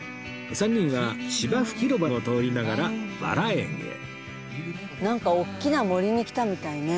３人は芝生広場を通りながらばら園へなんか大きな森に来たみたいね。